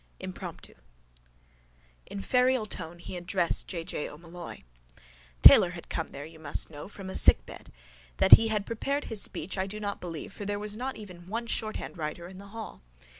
IMPROMPTU In ferial tone he addressed J. J. O'Molloy: —Taylor had come there, you must know, from a sickbed. That he had prepared his speech I do not believe for there was not even one shorthandwriter in the hall.